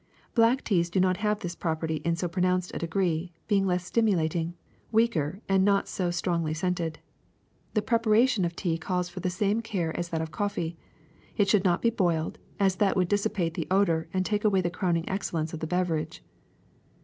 Black teas do not have this property in so pro nounced a deg?:"ee, being less stimulating, weaker, and not so strongly scented. The preparation of tea calls for the same care as that of coffee: it should not be boiled, as that would dissipate the odor and take away the crowning excellence of the beverage.